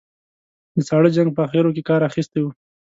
د ساړه جنګ په اخرو کې کار اخیستی و.